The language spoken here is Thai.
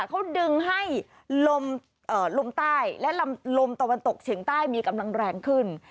เขาดึงให้ลมใต้และลมตะวันตกเฉียงใต้มีกำลังแรงขึ้น